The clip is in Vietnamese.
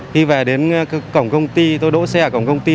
khi về đến cổng công ty tôi đỗ xe cổng công ty